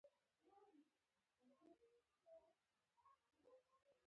یوه مهربانه بوسه کولای شي د ژمي څلور میاشتې تودې وساتي.